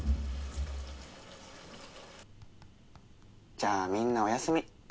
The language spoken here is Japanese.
じゃあみんなおやすみ。